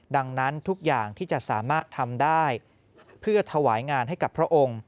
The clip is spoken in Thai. ดังนั้นทุกอย่างที่จะสามารถทำได้เพื่อถวายงานให้กับพระองค์